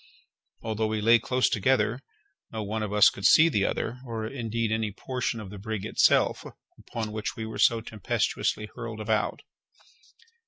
Although we lay close together, no one of us could see the other, or, indeed, any portion of the brig itself, upon which we were so tempestuously hurled about.